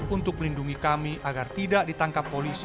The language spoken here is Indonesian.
untuk melindungi kami agar tidak ditangkap polisi